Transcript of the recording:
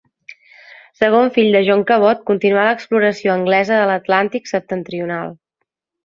Segon fill de John Cabot, continuà l'exploració anglesa de l'Atlàntic septentrional.